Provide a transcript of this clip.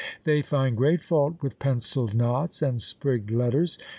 They find great fault with pencilled knots and sprigged letters.